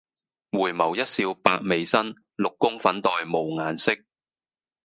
回眸一笑百媚生，六宮粉黛無顏色。